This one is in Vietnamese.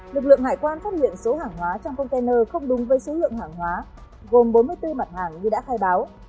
lực lượng hải quan phát hiện số hàng hóa trong container không đúng với số lượng hàng hóa gồm bốn mươi bốn mặt hàng như đã khai báo